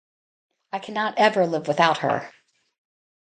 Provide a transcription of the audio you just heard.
I cannot ever live without her.